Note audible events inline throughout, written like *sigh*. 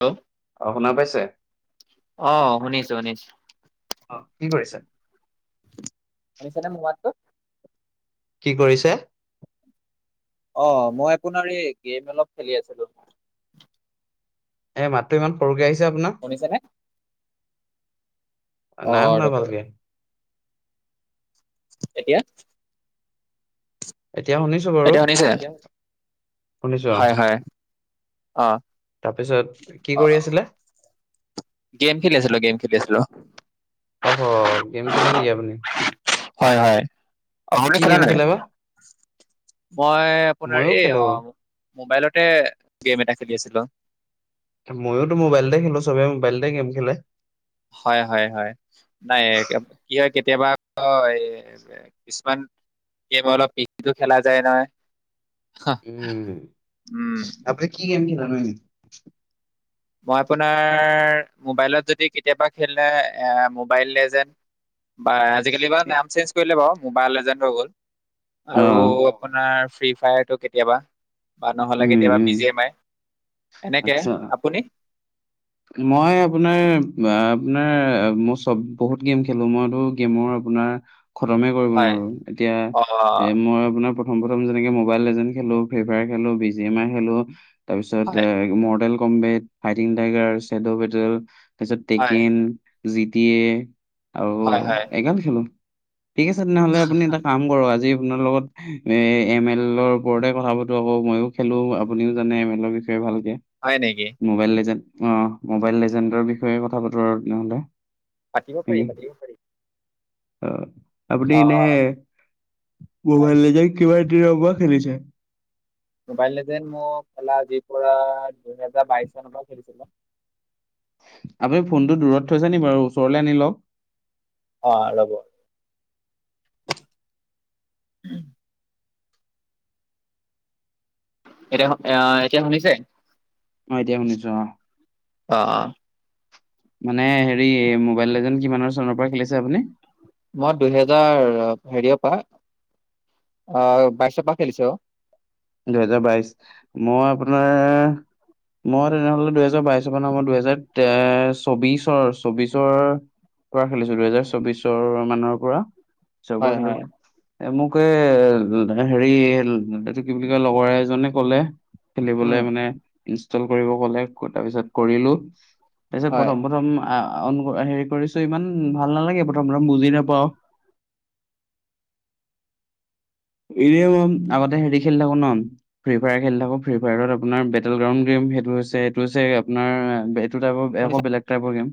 Hello? অঁ, শুনা পাইছে? অঁ, শুনিছোঁ শুনিছোঁ। অঁ, কি কৰিছে? আহি চেনে মোৰ মাতটো? কি কৰিছে? অঁ, মই আপোনাৰ এই গেম অলপ খেলি আছিলো। এ মাতটো ইমান সৰুকৈ আহিছে আপোনাৰ? শুনিছে নে? অ' নাই শুনা ৰ'ব ৰ'ব ভালকে। এতিয়া? এতিয়া শুনিছো। বাৰু, এতিয়া শুনিছে? শুনিছো অ। হয়, হয়, অঁ। তাৰপিছত কি কৰি আছিলে? গেম খেলি আছিলো, গেম খেলি আছিলো। অঁ, হ গেম খেলে নেকি আপুনি? হয় হয়। আপুনি কি গেম নাই? খেলে বা? মই আপোনাৰ মইয়ো এই খেলো। অঁ, মোবাইলতে গেম এটা খেলি আছিলো। মইয়ো মোবাইলতে খেলো, চবে মোবাইলতে গেম খেলে। হয়, হয়, হয়। নাই কি হয় কেতিয়াবা এই- কিছুমান গেম অলপ পিচিটো খেলা যায় নহয়। উম। উম। আপুনি কি গেম খেলা নো? মই আপোনাৰ মোবাইলত যদি কেতিয়াবা খেলে এ মোবাইল লেজন্ড। বা আজিকালি বা নাম চেইঞ্জ কৰিলে বাৰু মোবাইল এজেণ্ট হৈ গ'ল। অ আৰু আপোনাৰ ফ্ৰী ফায়াৰটো কেতিয়াবা বা নহ'লে উম কেতিয়াবা উম বি জি এম আই। এনেকে, আচ্ছা আপুনি? মই আপোনাৰ আপোনাৰ মই চব বহুত গেম খেলো, মইতো- মই আপোনাৰ খতমে কৰিব হয় নোৱাৰো। এতিয়া অ এ মই আপোনাৰ- প্ৰথম প্ৰথম যেনেকে মবাইল লেজেন খেলো, ফ্ৰী ফায়াৰ খেলো, বি জি এম আই খেলো হয় তাৰপিছত Mortal- Kombat, fighting tiger, said battle তাৰপিছত হয় টেকেন জি টি এ- আৰু হয় হয় এগাল খেলো। ঠিক আছে তেনেহলে আপুনি এটা কাম- কৰ আজি আপোনাৰ লগত এ এম এলৰ ওপৰতে কথা পাতো আক মইও খেলো আপুনিও জানে এম এলৰ বি ষয়ে ভালকে। হয় নেকি। মোবাইল লিজেণ্ড অঁ মোবাইল লেজেণ্ডৰ বিষয়ে কথা পাতো আৰু তেনেহ'লে। পাতিব পাৰি পাতিব পাৰি। অঁ আপুনি অ এনেই হয় মোবাইল লিজেণ্ড কিমান দিনৰ পৰা খেলিছে? মোবাইল লিজেণ্ড মই খেলা আজিৰ পৰা দুহেজাৰ বাইশ চনৰ পৰা খেলিছিলো। আপুনি ফোনটো দূৰত থৈছে নি বাৰু ওচৰলে আনি লওক। অঁ ৰব। এতিয়া অঁ অঃ এতিয়া শুনিছে? অঁ এতিয়া শুনিছোঁ অঁ। অ অ। মানে হেৰি মোবাইল লিজেণ্ড কিমানৰ চনৰ পৰা খেলিছে আপুনি? মই দুহেজাৰ হেৰিয়ৰ পৰা অঁহ বাইশৰ পৰা খেলিছো আও। দুহেজাৰ বাইশ, মই আপোনাৰ মই তেনেহ'লে দুইহেজাৰ বাইশৰ পৰা নহয়, মই দুহেজাৰ এ চৌবিশৰ চৌবিশৰ পৰা খেলিছো দুহেজাৰ চৌবিশৰ মানৰ পৰা। চনৰ পৰা হয় হয় খেলিছো। এ মোক এ হেৰি কি বুলি কয় লগৰ এজনে ক'লে খেলিবলে উম মানে ইনষ্টল কৰিব কলে, তাৰপিছত কৰিলো তাৰপিছত হয় প্ৰথম প্ৰথম আঁ হেৰি কৰিছো ইমান ভাল নালাগে প্ৰথম প্ৰথম বুজি নাপাওঁ। এনেই আৰু আগতে হেৰি খেলি থাকো ন। ফ্ৰী ফায়াৰ খেলি থাকো, ফ্ৰী ফায়াৰত আপোনাৰ বেটেল গ্ৰাউণ্ড গেম সেইটো হৈছে এইটো হৈছে আপোনাৰ টাইপৰ, এইয়া শুনিছে আক বেলেগ টাইপৰ গেম।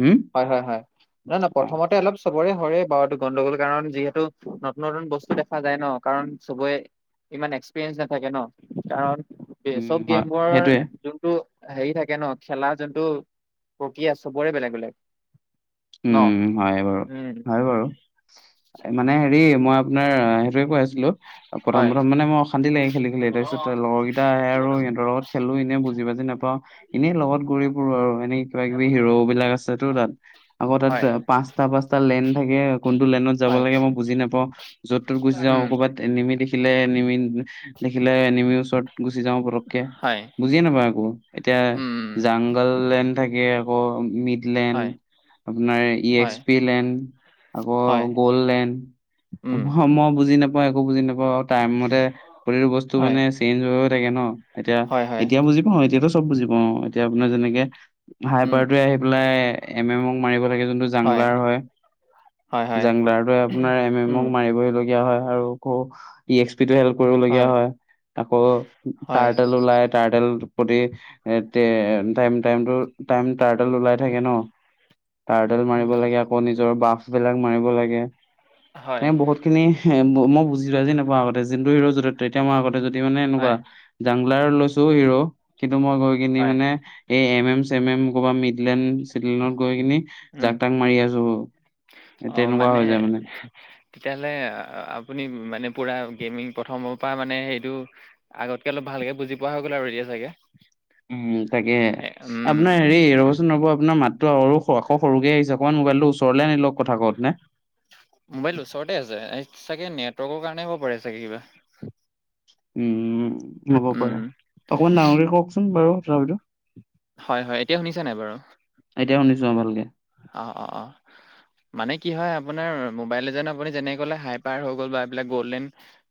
হম হয় হয় হয়, নহয় নহয় অ প্ৰথমতে অলপ চবৰে হৰে বাও এইটো গণ্ডগোল কাৰণ যিহেতু নতুন নতুন বস্তু দেখা যায় ন, কাৰণ চবয়ে ইমান এক্সপিৰিয়েঞ্চ নাথাকে ন, কাৰণ উম চব হয় গেমৰ সেইটোৱে যোনটো হেৰি থাকে ন খেলা যোনটো প্ৰক্ৰিয়া চবৰে বেলেগ বেলেগ। ন উম হয় বাৰু উম হয় বাৰু। মানে হেৰি মই আপোনাৰ সেইটোৱে কৈ আছিলো। প্ৰথম হয় প্ৰথম মানে মই অশান্তি লাগে খেলি খেলি, তাৰপিছত লগৰ কেইটা আহে আৰু সিহতৰ লগত খেলো এনে বুজি বাজি নাপাওঁ। এনেই লগত ঘূৰি ফুৰো আৰু এনেই কিবা কিবি হিৰো বিলাক আছেতো তাত। হয় তাত পাঁচটা পাঁচটা লেণ্ড থাকে কোনটো লেণ্ডত যাব হয় লাগে মই বুজি নাপাওঁ, যত তত গুচি যাওঁ উম ক'ৰবাত এনিমি দেখিলে এনিমি দেখিলে এনিমি ওচৰত গুচি যাও পতকে, হয় বুজিয়ে নেপাও একো, এতিয়া উম উম যাং গল লেণ্ড থাকে আকৌ মিডলেণ্ড। হয় আপোনাৰ ই হয় এছ পি লেণ্ড আকৌ হয় গ'ল্ড লেণ্ড। উম মই মই বুজি নাপা ওঁ মই একো বুজি নাপাওঁ, টাইম মতে প্ৰতিটো বস্তু হয় মানে চেঞ্জ হৈ থাকে ন। এতিয়া হয় হয় এতিয়া বুজি পাওঁ এতিয়াতো চব বুজি পাওঁ, এতিয়া আপোনাৰ যেনেকে হাই উম পাৰটোৱে আহি পেলাই এম এমক মাৰিব লাগিল। যোনটো জাংলাৰ হয়, হয় হয় জাংলাৰটোৱে আপোনাৰ এম এমক উম মাৰিবলগীয়া হয় আৰু। আকৌ ইএছ পি টো হেল্প কৰিবলগীয়া হয়, আকৌ হয় তাৰ তেল ওলায়। টাৰডল প্ৰতি এ টাইম টাইম টো টাইম টাৰ তেল ওলাই থাকে ন তাৰডাল উম মাৰিব উম লাগে আকৌ নিজৰ বাফ বিলাক মাৰিব লাগে হয় এ বহুত খিনি মই বুজিছো আজি নাপাওঁ আগতে যিতু হিৰৰ য' তেতিয়া মই আগতে যদি মানে এনেকুৱা হয় জাংলাৰ লৈছো হিৰো কিন্তু মই গৈ কিনি হয় মানে এই এম এম ছেম এম কবা মিডলেণ্ড গৈ কিনি উম, জাক তাক মাৰি আছো তেনেকুৱা হৈ যায় মানে। তেতিয়াহ'লে আপুনি মানে পুৰা গেমিং প্ৰথমৰ পৰা মানে সেইটো আগতকে অলপ ভালকে বুজি পোৱা হৈ গল আৰু এতিয়া চাগে। উম তাকে এ উম, আপোনাৰ হেৰি নবও আপোনাৰ মাততো আৰু আক সৰুকৈ আহিছে, অকণ মোবাইলটো ওচৰলে আনি লওক কথা কওঁতে মোবাইল ওচৰতে আছে এই চাগে নেটৱৰ্কৰ কাৰণে হ'ব পাৰে চাগে কিবা। উম ল'ব উম, পাৰে, অকমান ডাঙৰকে কওকচোন বাৰু তথাপিতো। হয়, হয়, এতিয়া শুনিছে নাই বাৰু? এতিয়া শুনিছোঁ আৰু ভালকে অ অ অ মানে কি হয় আপোনাৰ মোবাইল এজন আপুনি যেনে কলে হাইপাৰ হৈ গ'ল বা এইবিলাক গ'ল্ডেন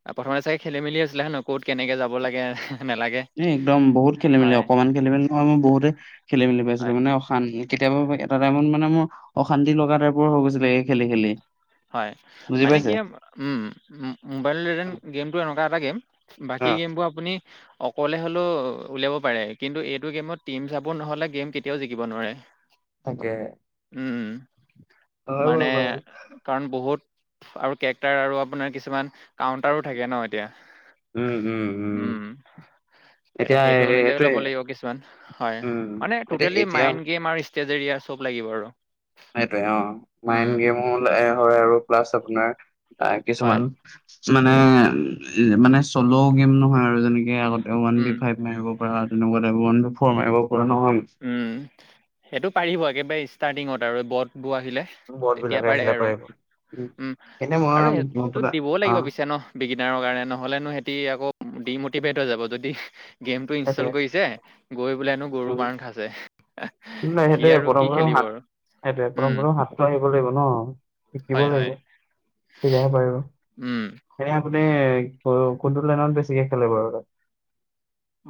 আৰু প্ৰথমতে চাগে খেলি মেলি হৈছিলে হয় নে নো ক'ত কেনেকে যাব লাগে নেলাগে। এ একদম বহুত খেলি মেলি অকমান খেলি মেলি নয় মই বহুতে খেলি মেলি পাইছিলো হয়। মানে *unintelligible* কেতিয়াবা এটা টাইমত মানে মোৰ অশান্তি লগা টাইপৰ হৈ গৈছিলে এই খেলি খেলি হয় বুজি মানে কি পাইছে? উম মোবাইল যেন গেমটো এনেকুৱা এটা গেম অ বাকী গেমবোৰ আপুনি অকলে হ'লেও উলিয়াব পাৰে কিন্তু এইটো গেমত টিম চাব নহ'লে গেম কেতিয়াওঁ জিকিব নোৱাৰে। তাকেহে উম মানে বাৰু কাৰণ বহুত আৰু কেৰেক্টাৰ আৰু আপোনাৰ কিছুমান কাউণ্টাৰো থাকে ন এতিয়া উম উম উম এ এতিয়া সেইটো অনুযায়ী সেইটোৱে ল'ব লাগিব কিছুমান হয় উম মানে এতিয়া টোটেলি এতিয়া মাইণ্ড গেম আৰু তেজেৰিয়া চব লাগিব আৰু সেইটোৱে অ উম, মাইণ্ড গেমো হয় আৰু প্লাছ আপোনাৰ তাৰ হয়। কিছুমান মানে উম, উ মানে চল' গেম নহয় আৰু যেনেকে আগত ওৱান উম, বি ফাইভ মাৰিব পৰা তেনেকুৱাএটা ওৱান বি ফ'ৰ মাৰিব পৰা নহয়। উম সেইটো পাৰিব একেবাৰে ষ্টাৰ্টিঙত আৰু বটবোৰ আহিলে। বহুত তেতিয়া বিলাকে পাৰে আহিলে আৰু পাৰিব। উম এনে আৰু মই সেইটো আপোনাৰ দিবও অ, লাগিব পিছে ন বিগিনাৰৰ কাৰণে নহলেনো সিহঁতি আকৌ ডিমটিভেট হৈ যাব যদি গেম টো ইনষ্টল সেইটোৱে কৰিছে গৈ বোলে নো গৰু মাৰ খাইছে। সি আৰু কি খেলিব আৰু সেইটোয়ে পথম উম, পথম হাত আহিব লাগিব ন শিকিব হয় হয় লাগিব। তেতিয়াহে পাৰিব। উম, সে আপুনি কোনটো লাইনত বেছিকে খেলিব বাৰু তাত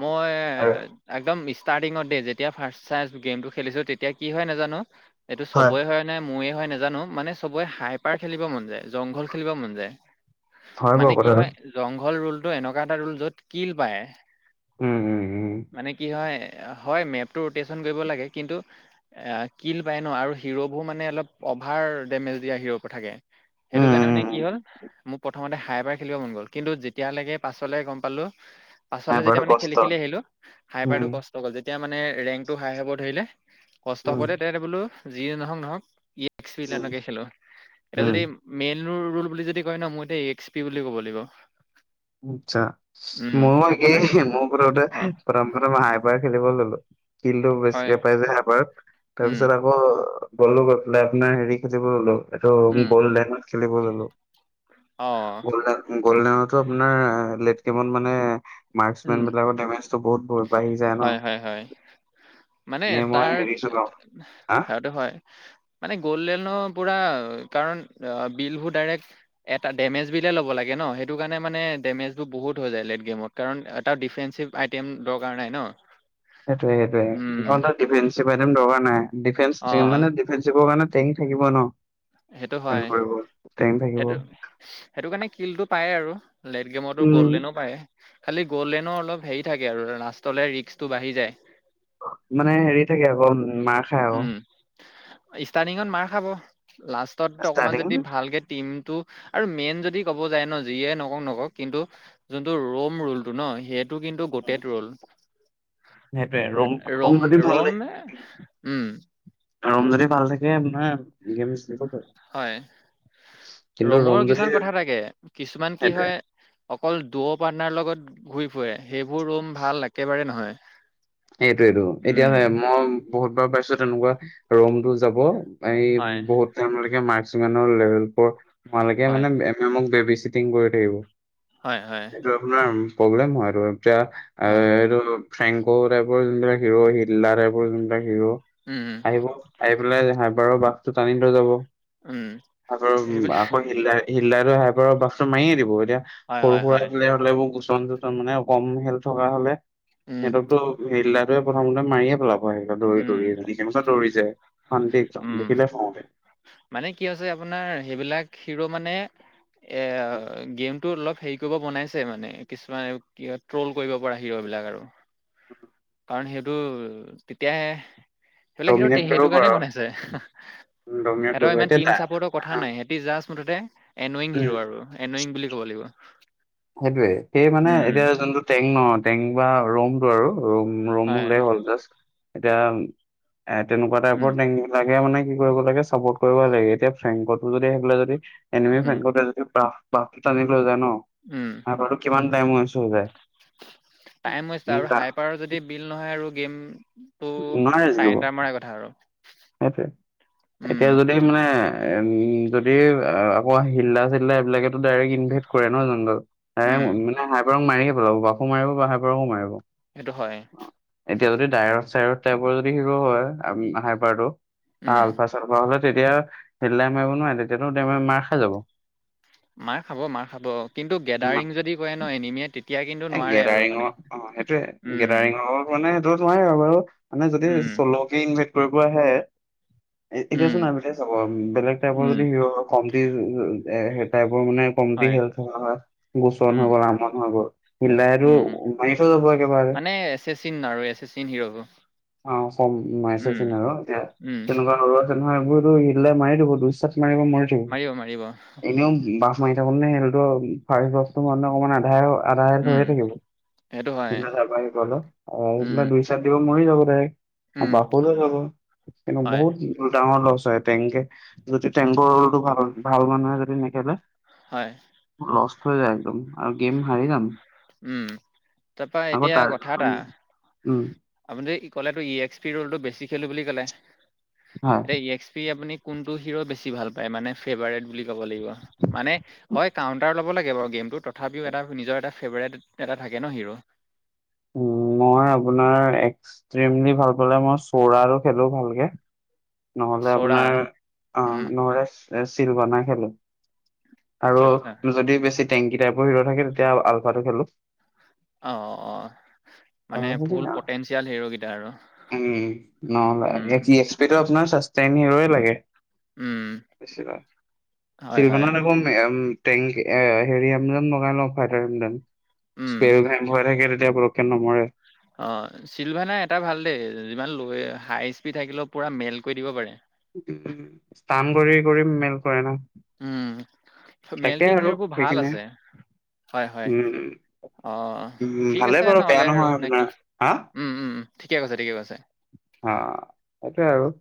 মই আৰু একদম ষ্টাৰ্টিঙত দেই যেতিয়া ফাৰ্ষট চাইজ গেমটো খেলিছো তেতিয়া কি হয় নাজানো এইটো চবৰে হয় নাই মোয়ে হয় নাজানো, মানে চবে হাইপাৰ খেলিব মন যায় জংঘল খেলিব মন যায়। হয় বাৰু মানে কি কথাটো। হয় জংঘল ৰোলতটো এনেকুৱা এটা ৰোল যত কিল পায়। উম উম উম মানে কি হয়, হয় মেপটো ৰোটেচন কৰিব লাগে কিন্তু কিল পায় ন' আৰু হিৰ'বোৰ মানে অলপ অভাৰ ডেমেজ দিয়া হিৰ' পৰা থাকে। সেইটো উম কাৰণে মানে কি উম হ'ল মোক প্ৰথমতে হাই পাই খেলিব মন গ'ল কিন্তু যেতিয়ালৈকে পাছলে গম পালোঁ, নাই পাছলে যেতিয়া বৰাটো মানে কষ্ট। খেলি খেলি আহিলো হাই উম, পাৰটো কষ্ট গ'ল, যেতিয়া মানে ৰেংক টো হাই হ'ব ধৰিলে কষ্ট উম, হ'বতে তেতে বোলো যি নহওঁক নহওঁক ই একসিল এনেকে খেলোঁ এতিয়া উম, যদি মেইন ৰোল বুলি যদি কয় ন' মই এতিয়া ই্স পি বুলি ক'ব লাগিব। আচ্ছা, উম ময়ো আপোনাৰ একে ময়ো অ প্ৰথম প্ৰথমতে হাই পাই খেলিব ল'লো। কিলটো হয় বেছিকে পাই যায় হাপাৰত উম তাৰপিছত আকৌ গ'লো গৈ পেলাই আপোনাৰ হেৰি খেলিব ল'লো, এইটো উম গ'ল লেডত খেলিব ল'লো। অ গল্ডেন গ'ল্ডেনতো আপোনাৰ লেটকেমত মানে মাৰ্কচ উম মেন বিলাকৰ ডেমেজটো বহুত বহুত বাঢ়ি যায় ন'। হয় হয় হয় মানে এনে মই তাৰ হেৰি চলাও হা সেইটো হয়। মানে গ'ল্ডেনৰ পুৰা কাৰণ বিলবোৰ ডাইৰেক্ট এটা ডেমেজ বিলে ল'ব লাগে ন' সেইটো কাৰণে মানে ডেমেজবোৰ বহুত হৈ যায় লেট গেমত। কাৰণ এটা ডিফেঞ্চিভ আইটেম দৰকাৰ নাই ন'। সেইটোৱে সেইটোৱে ধৰ উম তোৰ ডিফেঞ্চিভ একদম দৰকাৰ নাই অ ডিফেঞ্চ মানে ডিফেঞ্চিভৰ কাৰণে টাইম থাকিব ন' সেইটো হয় ডিফেন্ড কৰিব, টাইম থাকিব। সেইটো সেইটো কাৰণে কিলটো পায় আৰু লেট গেমটো উম গ'ল্ডেনো পায়। খালি গ'ল্ডেনৰ অলপ হেৰি থাকে আৰু লাষ্টলে ৰিক্সটো বাঢ়ি যায়। মানে হেৰি থাকে আকৌ মাৰ খাই আকৌ। উম ষ্টাৰ্টিঙত মাৰ খাব লাষ্টত অকণমান ষ্টাৰ্টিং যদি ভালকে টিমটো আৰু মেইন যদি ক'ব যায় ন' যিয়ে নকক নকক কিন্তু যোনটো ৰোম ৰুলটো ন' সেই টো কিন্তু গোটেত ৰ'ল। সেইটোৱে এ ৰম যদি ভাল ৰমনে, উম। ৰম যদি ভাল থাকে আপোনাৰ গেমছ জিকিব পাৰে। হয়, ৰমৰো যদি কিছুমান কথা থাকে কিছুমান কি সেইটোৱে হয় অকল দুও পাৰ্টনাৰ লগত ঘূৰি ফুৰে সেইবোৰ ৰুম ভাল একেবাৰে নহয়। এইটোৱেটো এতিয়া উম মই বহুতবাৰ পাইছোঁ তেনেকুৱা ৰোমটো যাব। এই হয় বহুত টাইমলৈকে মাৰ্কচিংঙমামৰ *unintelligible* লেভেলবোৰ নোহোৱালৈকে হয় মানে এনে কাৰণে মোক বেবি চিটিং কৰি থাকিব। হয়, হয়। লুভনাম প্ৰব্লেম হয় তোৰ এতিয়া আ হয় হেৰী তোৰ ফ্ৰেঙ্ক সৌ টাইপৰ যোনবিলাক হিৰ' হিল্লা টাইপৰ যোনবিলাক হিৰ'। উম, উম। আহিব আহি পেলাই হাইবাৰৰ বাঘটো টানি থৈ যাব। উম। আকৌ সেইবিলাক আকৌ হিল্লাই হিল্লাইৰ হাইপাৰৰ বাঘটো মাৰিয়ে দিব এতিয়া। হয় হয় সৰু-সুৰা হয় থাকিলে হ'লেবোৰ গুচন চুচন মানে কম হেল থকা হ'লে উম হেইটো হিল্লাটোৱে প্ৰথমতে মাৰিয়ে পেলাব। অ', সিহঁত দৌৰি উম দৌৰিয়ে জানিৰ টাইমত চব দৌৰিছে শান্তিত চব উম দেখিলে খং উঠে। মানে কি হৈছে আপোনাৰ সেইবিলাক হিৰো মানে এ গেম টো অলপ হেৰি কৰিব বনাইছে মানে কিছুমান কি হয় ট্ৰল কৰিব পৰা হিৰ'বিলাক আৰু। কাৰণ সেইটো তেতিয়াহে সেইবিলাক সেইটো তে ডমিনেট সেইটো কৰিব কাৰণে পাৰ বনাইছে ডমিনেট সিহঁতৰ কৰিব ইমান এতিয়া টিম দা চাপৰ্টৰ কথা আহ, নাই সিহঁত তি জাষ্ট মুঠতে এনয়িং উম হিৰো আৰু এনয়িং বুলি ক'ব লাগিব। সেইটোয়ে, সেই মানে উম এতিয়া যোনটো টেং ন! টেং বা ৰমটো আৰু। ৰুম, ৰুম হয় হ'লেই হ'ল জাষ্ট। এতিয়া এ তেনেকুৱা উম টাইপৰ টেঙি লাগে মানে কি কৰিব লাগে, চাপৰ্ট কৰিব লাগে। এতিয়া ফ্ৰেঙ্ক কলটো যদি আহি পেলাই যদি এনয়িং উম ফ্ৰেঙ্কটো যদি টাফ, টাফটো টানি লৈ যায় ন! উম স্নাইপাৰটো কিমান টাইম ওৱেষ্ট হৈ যায়। উম্ তাক গোটেইবিল নহয় আৰু গেমটো নোৱাৰে জিকিব চাৰেণ্ডাৰ মৰা কথা আৰু। সেইটোৱে, উম এতিয়া যদি। মানে উম্, যদি আকৌ হিল্লা চিল্লা এইবিলাকেতো ডাইৰেক্ট ইনভেদ কৰে নহয়, জানোঁ তোৰ। উম মানে, মানে হাইবাৰক মাৰিয়ে পেলাব। বাকো মাৰিব বা হাইবাৰকো মাৰিব। সেইটো হয়। এতিয়া যদি ডাইৰথ চাইৰথ টাইপৰ যদি হিৰো হয়। আমি হাইবাৰটো উম আল্ফা চাল্ফা হ'লে, তেতিয়া হিল্লাই মাৰিব নোৱাৰে। তেতিয়াতো দাইৰেক্ট মাৰ খাই যাব। মাৰ খাব মাৰ খাব, কিন্তু গেডাৰিং যদি কৰে ন এনিমিয়ে। তেতিয়া কিন্তু নোৱাৰে আৰু মানে। সেইটোৱে, উম গেডাৰিংৰ মানে সেইটো নোৱাৰিয়ে আৰু, বাৰু মানে যদি উম, চলকে ইনভাইট কৰিব আহে। এতিয়া উম, চোন আমিলে চাব, বেলেগ টাইপৰ উম, যদি হেৰি অলপ কমটি এ, হেই টাইপৰ মানে কমটি হয়, হেল থকা হয়, গোচন উম, হৈ গ'ল আমন হৈ গ'ল। হিল্ডাৰেটো মাৰি থৈ যাব একেবাৰে। এ এছেচিন আৰু এছেচিন হিৰ'বোৰ। অ', কম মিছে উম, চিন আৰু এতিয়া উম, তেনেকুৱা ধৰণৰ। এইবোৰটো হিল্ডাৰে মাৰি দিব, দুই চাত মাৰিব মৰি মাৰিব মাৰিব, থাকিব। এনেও মাৰি থাকো নে সিহঁতেটো বস্তু মানে অকমান আধাৰে হোৱা। আধা উম, হৈয়ে থাকিব, সেইটো হয়, যাবা আহিব অলপ। উম, আহ্ দুই চাত দিব মৰি যাব। উম, বাটলৈ যাব, এ কিন্তু হয়, বহুত ডাঙৰ লছ হয়। টেংকে, যদি টেংকৰটো ভাল ভাল মানুহে যদি নেখেলে। হয়। লষ্ট হৈ যায় একদম আৰু গেম হাৰি যাম। উম্, তাৰপৰা আকৌ এতিয়া তাৰ কথা এটা। উম উম, আপুনি ক'লেটো, ই এক্স পি ৰোলটো বেছি খেলো বুলি ক'লে। হয় এতিয়া ই এক্স পি আপুনি কোনটো হিৰ' বেছি ভাল পায় মানে ফেভাৰেট বুলি। ল'ব লাগিব। মানে হয় কউণ্টাৰ ল'ব লাগে বাৰু গেমটোত, তথাপিও এটা নিজৰ এটা ফেভাৰেট এটা থাকে ন হিৰ'। উম্, মই আপোনাৰ এক্সট্ৰিমলি ভাল পালে, মই চোৰা খেলো ভালকে। নহ'লে চ'ৰা, আপোনাৰ, অ' উম, নহ'লে চিলবানা খেলোঁ। আচ্ছা আৰু আচ্ছা, যদি বেছি টেংকি টাইপৰ হিৰৌতো থাকে, তেতিয়া আল্ফাটো খেলোঁ। অ'অ'অ', আৰু সেইটোৱে। উম্, নহ'লে উম, দি আছোঁ। সেইটো আপোনাৰ চাষ্টটাইম হিৰৌৱে লাগে, উম, বেছিভাগ। হয়, হয়, শ্ৰীলকনত আকৌ- মে, এম, তেং, এয়া হেৰি, লগাই লওঁ ফাইটাৰ হিল্গেন উম। হৈ থাকে। তাত সেই পতকে নমৰে। অ', চিলভানা এটা ভাল দেই। যিমান লৈ হাই স্পিড থাকিলেও পূৰা মেলট কৰি দিব পাৰে। উম্, স্টান কৰি কৰি মেল কৰে ন। উম্, মেল্টিং হিৰৌ বোৰ ভাল সেইখিনিয়ে। আছে, হয় হয়। উম অ', উম ঠিক ভালে আছে বাৰু বেয়া নহ'লে নহয় আৰু নে আপোনাৰ কি? উম্ উম্, ঠিকে কৈছে ঠিকে কৈছে। অহ' এটোৱে আৰু।